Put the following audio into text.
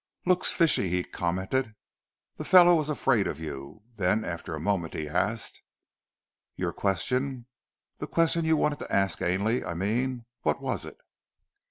"Looks fishy!" he commented. "The fellow was afraid of you." Then after a moment he asked, "Your question? The question you wanted to ask Ainley, I mean. What was it?"